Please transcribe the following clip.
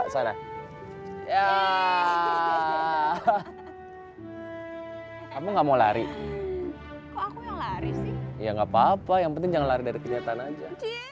kamu nggak mau lari ya nggak papa yang penting jangan lari dari kenyataan aja